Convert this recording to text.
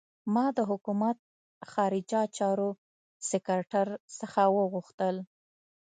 ما د حکومت خارجه چارو سکرټر څخه وغوښتل.